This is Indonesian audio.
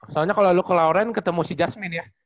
soalnya kalau lu ke lauren ketemu si jasmine ya